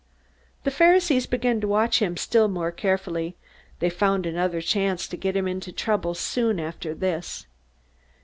The Pharisees began to watch him still more carefully. They found another chance to get him into trouble soon after this.